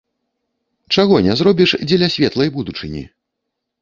Чаго не зробіш дзеля светлай будучыні?